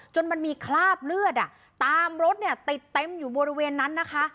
มันมีคราบเลือดตามรถเนี่ยติดเต็มอยู่บริเวณนั้นนะคะ